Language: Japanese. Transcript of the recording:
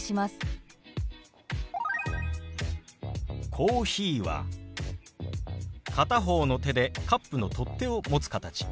「コーヒー」は片方の手でカップの取っ手を持つ形。